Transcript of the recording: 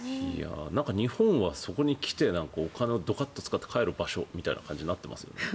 日本はそこに来てお金をドカッと使って帰る場所みたいな感じになってますよね。